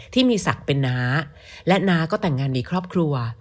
ที่มีศักดิ์เป็นน้าและน้าก็แต่งงานมีครอบครัว